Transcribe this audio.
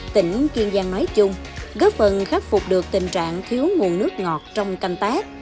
tỉnh kiên giang nói chung góp phần khắc phục được tình trạng thiếu nguồn nước ngọt trong canh tác